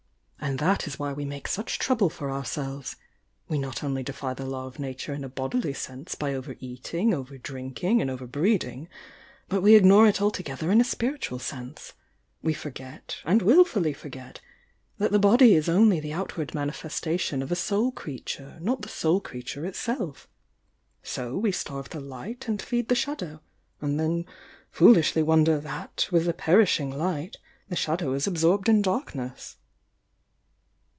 "And that is why we make such trouble for ourselves. We not only defy the law of Nature in a bodily sense by over eating, over drink ing and over breeding, but we ignore it altogether in a spiritual sense. We forget, — and wilfully for get, that the body is only the outward manifestation of a Soul creature, not the Soul creature itself. So we starve the Light and feed the Shadow, and then foolishly wonder that, with the perishing Light, the Shadow is absorbed in darkness."